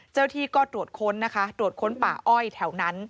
เจ้าหน้าที่ก็ตรวจค้นนะคะตรวจค้นป่าอ้อยแถวนั้น